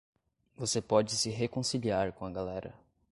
Você pode se reconciliar com a galera.